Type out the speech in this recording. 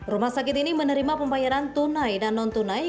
rumah sakit ini menerima pembayaran tunai dan non tunai